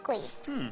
うん。